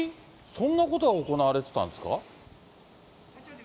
そんなことが行われてたんですか？